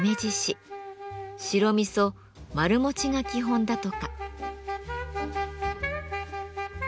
白みそ丸餅が基本だとか。